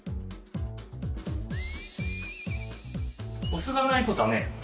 お酢がないとだめ？